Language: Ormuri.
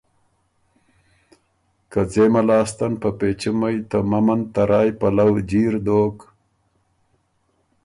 که ځېمه لاستن په پېچُمئ ته ممند ته رایٛ پلؤ جیر دوک،